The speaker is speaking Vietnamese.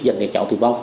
dẫn đến cháu tử vong